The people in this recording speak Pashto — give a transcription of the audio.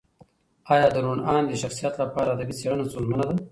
ایا د روڼ اندي شخصیت لپاره ادبي څېړنه ستونزمنه ده؟